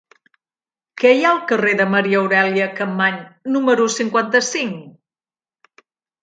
Què hi ha al carrer de Maria Aurèlia Capmany número cinquanta-cinc?